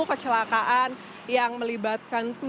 kecelakaan yang melibatkan